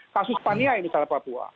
kasus paniai misalnya papua